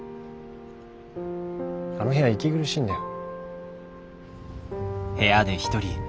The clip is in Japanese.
あの部屋息苦しいんだよ。